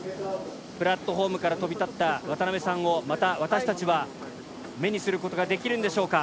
プラットホームから飛び立った渡邊さんをまた私たちは目にする事ができるんでしょうか？